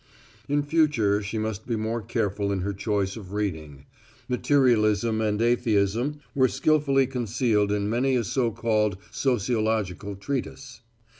In future she must be more careful in her choice of reading. Materialism and atheism were skillfully concealed in many a so called sociological treatise.